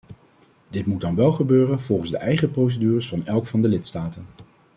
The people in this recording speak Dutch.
Dit moet dan wel gebeuren volgens de eigen procedures van elk van de lidstaten.